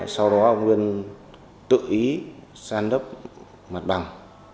sau đó ông nguyên tự ý sàn đất mặt bằng